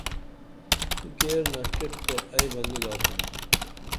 تُو کیر نڜٹیپ تے ائی بہ نی لاکُم